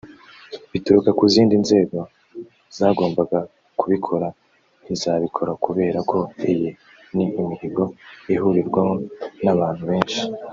bituruka ku zindi nzego zagombaga kubikora ntizabikora kubera ko iyi ni imihigo ihurirwaho n’abantu benshi”